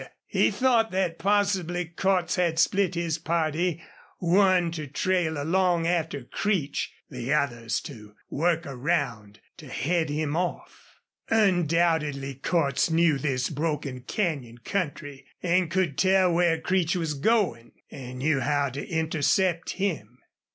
He thought that possibly Cordts had split his party, one to trail along after Creech, the others to work around to head him off. Undoubtedly Cordts knew this broken canyon country and could tell where Creech was going, and knew how to intercept him.